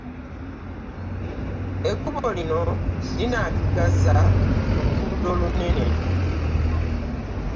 Ekkubo lino linaatugasa ku luguudo olunene?